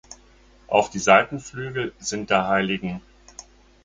Auf die Seitenflügel sind der hl.